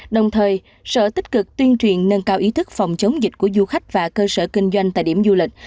đồng thời sở tích cực tuyên truyền nâng cao ý thức phòng chống dịch của du khách và cơ sở kinh doanh tại điểm du lịch